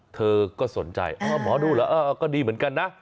เธอก็สนใจอ๋อหมอดูเหรอเออก็ดีเหมือนกันนะ